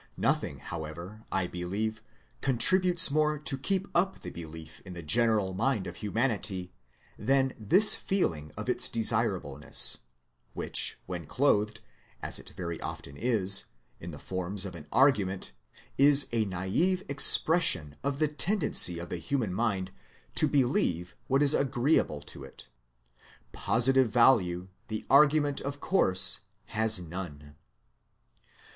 Nothing, however, I believe, contributes more to keep up the belief in the general mind of humanity than this feeling of its desirableness, which, when clothed, as it very often is, in the forms of an argument, is a naif expression of the tendency of the human mind to believe what is agreeable to it. Positive value the argument of course has none.